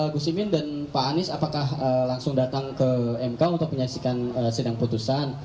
gus imin dan pak anies apakah langsung datang ke mk untuk menyaksikan sidang putusan